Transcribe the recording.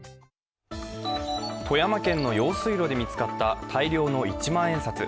富山県の用水路で見つかった大量の一万円札。